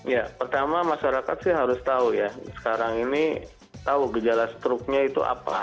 ya pertama masyarakat sih harus tahu ya sekarang ini tahu gejala struknya itu apa